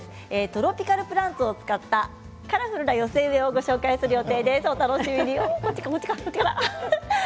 トロピカルプランツを使ったカラフルな寄せ植えをご紹介する予定です。